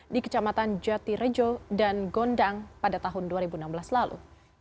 di kecamatan jatirejo dan gondang pada tahun dua ribu enam belas lalu